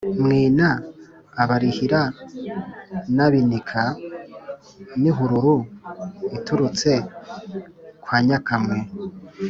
Mwina Abalihira n’Abinika n’ihururu iturutse kwa Nyakamwe.